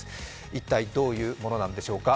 一体どういうものなのでしょうか。